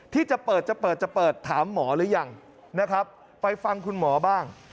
ที่จะเปิดจะเปิดจะเปิดถามหมอหรือยังนะครับไปฟังคุณหมอบ้าง